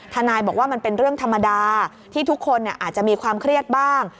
ทนายบอกว่ามันเป็นเรื่องธรรมดาที่ทุกคนอาจจะมีความเครียดบ้าง